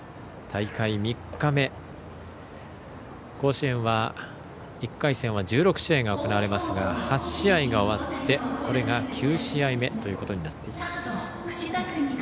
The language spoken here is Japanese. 大会３日目、甲子園は１回戦は１６試合が行われますが８試合が終わってこれが９試合目となっています。